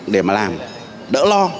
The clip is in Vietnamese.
để mà làm đỡ lo